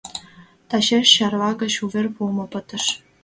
Тачеш Чарла гыч увер пуымо пытыш.